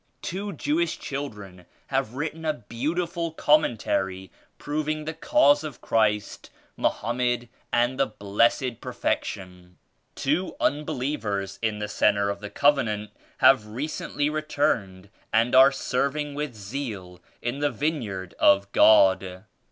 Two Jewish children have written a beautiful commentary proving the Cause of Christ, Mohammed and the Blessec Perfection. Two unbelievers in the Centre o the Covenant have recently returned and ari serving with zeal in the Vineyard of God."